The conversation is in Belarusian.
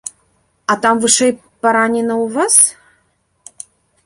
А там вышэй паранена ў вас?